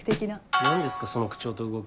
何ですかその口調と動き。